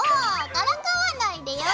からかわないでよ！